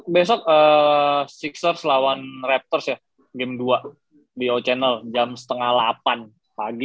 besok sixers lawan raptors ya game dua di o channel jam setengah delapan pagi